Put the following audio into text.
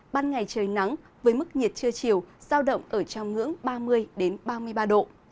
ban ngày trời nắng với mức nhiệt trưa chiều giao động ở trong ngưỡng ba mươi ba mươi ba độ